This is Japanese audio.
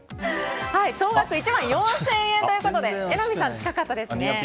総額１万４０００円ということで榎並さん、近かったですね。